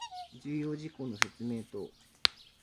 重要事項の説明等